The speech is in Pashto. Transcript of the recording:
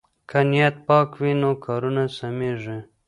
که نیت پاک وي نو کارونه سمېږي.